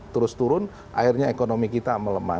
terus turun akhirnya ekonomi kita melemah